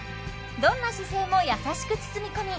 どんな姿勢も優しく包み込み